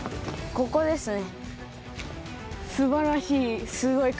ここですね。